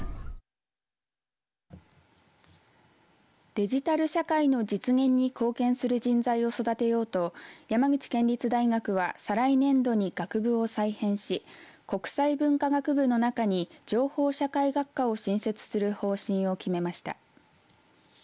デジタル社会の実現に貢献する人材を育てようと山口県立大学は再来年度に学部を再編し国際文化学部の中に情報社会学科を新設する方針を決めました。